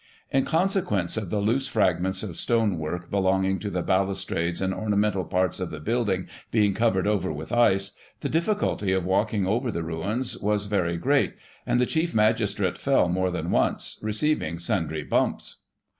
In consequence of the loose fragments of stone work belonging to the balustrades and ornamental parts of the building being covered over with ice, the difficulty of walking over the ruins was very great, and the chief magis trate fell more than once, receiving sundry bumps.